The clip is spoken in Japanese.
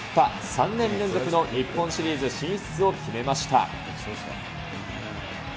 ３年連続の日本シリーズ進出を決めました。